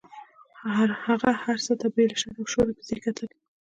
هغه هر څه ته بې له شر او شوره په ځیر کتل.